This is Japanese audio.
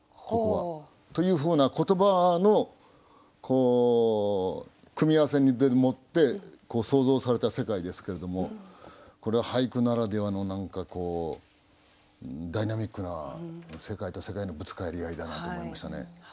ここは。というふうな言葉のこう組み合わせでもって想像された世界ですけれどもこれは俳句ならではの何かこうダイナミックな世界と世界のぶつかり合いだなと思いましたね。